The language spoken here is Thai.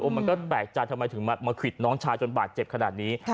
มันก็แปลกใจทำไมถึงมาควิดน้องชายจนบาดเจ็บขนาดนี้